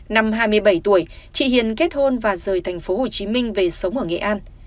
năm hai mươi bảy tuổi chị hiền kết hôn và rời tp hcm về sống ở nghệ an